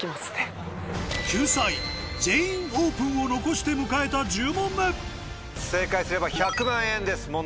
救済「全員オープン」を残して迎えた１０問目正解すれば１００万です